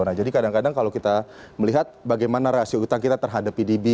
nah jadi kadang kadang kalau kita melihat bagaimana rasio utang kita terhadap pdb